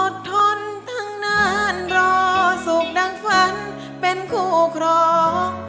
ทนตั้งนานรอสุขดังฝันเป็นคู่ครอง